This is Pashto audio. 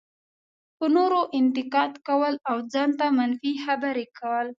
په نورو انتقاد کول او ځان ته منفي خبرې کول.